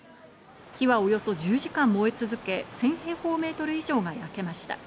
火はおよそ１０時間燃え続け、１０００平方メートル以上が焼けました。